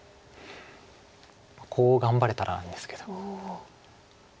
コウを頑張れたらなんですけど。